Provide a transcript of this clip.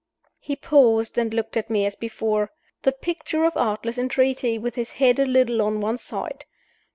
He paused and looked at me as before the picture of artless entreaty, with his head a little on one side.